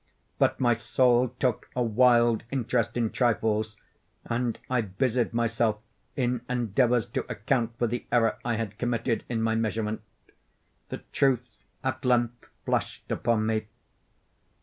But my soul took a wild interest in trifles, and I busied myself in endeavors to account for the error I had committed in my measurement. The truth at length flashed upon me.